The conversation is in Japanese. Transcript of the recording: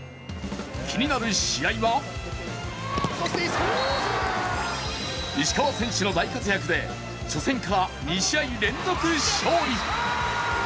気になる試合は石川選手の大活躍で初戦から２試合連続勝利。